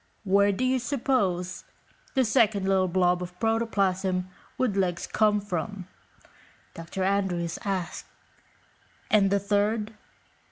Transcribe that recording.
"Where do you suppose the second little blob of protoplasm with legs came from?" Dr. Andrews asked. "And the third?